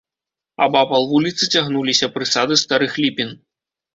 Абапал вуліцы цягнуліся прысады старых ліпін.